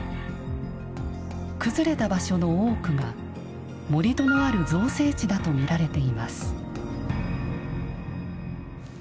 崩れた場所の多くが盛土のある造成地だとみられています。